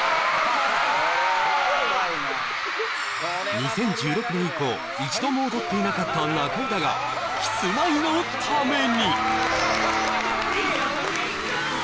２０１６年以降一度も踊っていなかった中居だがキスマイのためにＨＥＲＥＷＥＧＯ！！！！！